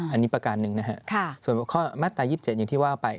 อันนี้ประการหนึ่งนะฮะส่วนข้อมาตราย๒๗อย่างที่ว่าไป